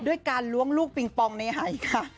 ด้วยการล้วงลูกปิงปองในหายค่ะ